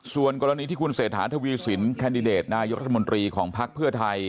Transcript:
ส่วนกรณีที่คุณเศรษฐาทวีสินแคนดิเดตนายกรัฐมนตรีของภักดิ์เพื่อไทย